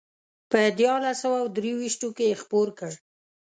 په دیارلس سوه درویشتو کې یې خپور کړ.